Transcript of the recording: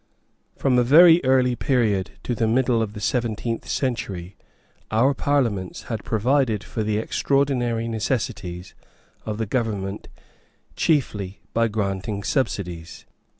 From a very early period to the middle of the seventeenth century, our Parliaments had provided for the extraordinary necessities of the government chiefly by granting subsidies.